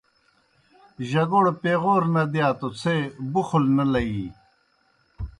جگوڑ پیغَور نہ دِیا توْ څھے بُخل نہ لیِی۔